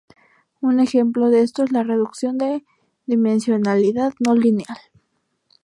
Un ejemplo de esto es la "reducción de dimensionalidad no lineal".